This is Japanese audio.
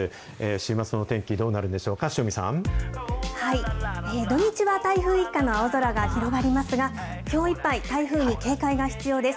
週末の天気、どうなるんでしょう土日は台風一過の青空が広がりますが、きょういっぱい、台風に警戒が必要です。